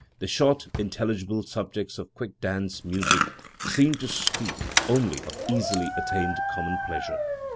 The short intelligible subjects of quick dance music seem to speak only of easily attained common pleasure.